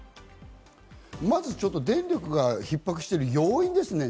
まず電力がひっ迫している要因ですね。